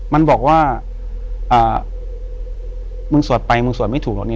มันบอกว่ามึงสวดไปมึงสวดไม่ถูกหรอกนี่